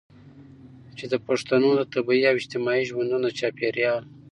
چې د پښتنو د طبیعي او اجتماعي ژوندون د چاپیریال